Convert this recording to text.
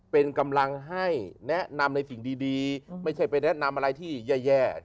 เป็นกำลังให้แนะนำในสิ่งดีไม่ใช่ไปแนะนำอะไรที่แย่